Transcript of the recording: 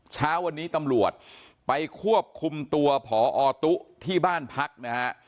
เช้าวันนี้ตำรวจไปควบคุมตัวพอตุ๊ที่บ้านพักนะฮะ